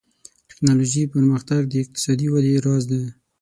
ټکنالوژي پرمختګ د اقتصادي ودې راز دی.